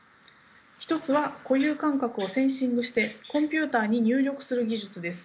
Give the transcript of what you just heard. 一つは固有感覚をセンシングしてコンピューターに入力する技術です。